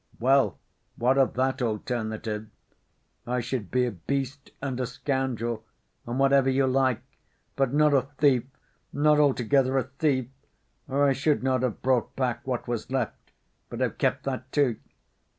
Well, what of that alternative? I should be a beast and a scoundrel, and whatever you like; but not a thief, not altogether a thief, or I should not have brought back what was left, but have kept that, too.